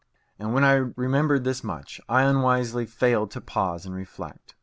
And when I had remembered this much, I unwisely failed to pause and reflect.